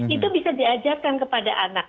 itu bisa diajarkan kepada anak